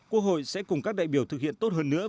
quốc hội sẽ cùng các đại biểu thực hiện tốt hơn nữa